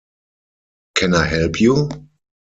Can I help you?